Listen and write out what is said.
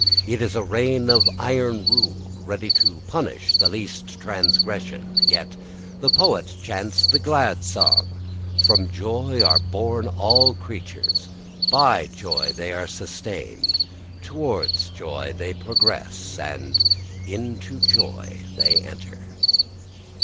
It is a reign of iron rule, ready to punish the least transgression. Yet the poet chants the glad song, "From joy are born all creatures, by joy they are sustained, towards joy they progress, and into joy they enter."